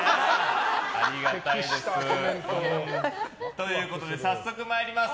ありがたいです。ということで、早速参ります。